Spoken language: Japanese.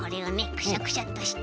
くしゃくしゃっとして。